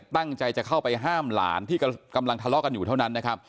ตั้งใจจะเข้าไปห้ามหลานที่กำลังทะเลาะกันอยู่เท่านั้นนะครับ